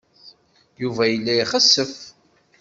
Yuba yella ixessef.